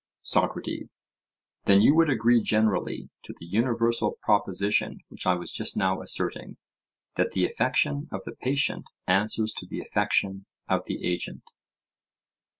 SOCRATES: Then you would agree generally to the universal proposition which I was just now asserting: that the affection of the patient answers to the affection of the agent?